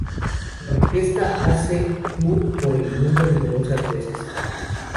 Con la orquesta hace tour por el mundo numerosas veces.